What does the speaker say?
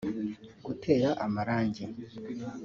gutera amarangi